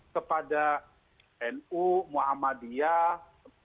kepada nu muhammadiyah